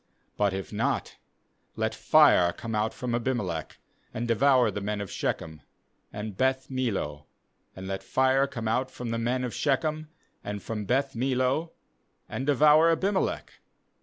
20But if not, let fire come out from Abimelech, and devour the men of Shechem, and Beth mill o; and let fire come out from the men of Skechem, and from Beth millo, and devour Abimelech.'